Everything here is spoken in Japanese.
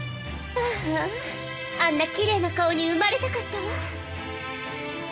あああんなきれいな顔に生まれたかったわ。